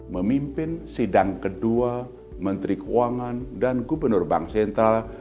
memimpin sidang kedua menteri keuangan dan gubernur bank sentral